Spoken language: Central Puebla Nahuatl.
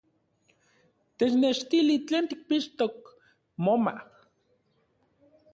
¡Technechtili tlen tikpixtok moma!